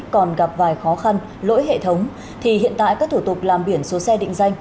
còn gặp vài khó khăn lỗi hệ thống thì hiện tại các thủ tục làm biển số xe định danh